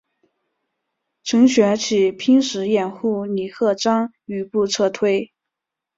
程学启拼死掩护李鹤章余部撤退。